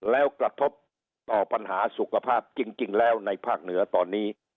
แล้วกระทบต่อปัญหาสุขภาพจริงแล้วในภาคเหนือตอนนี้